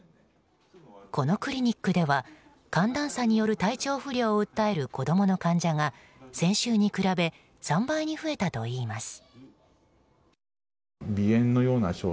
このクリニックでは寒暖差による体調不良を訴える子供の患者が先週に比べ３倍に増えたといいます。